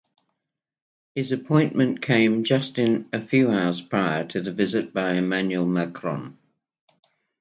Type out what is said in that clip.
His appointment came in just few hours prior to the visit by Emmanuel Macron.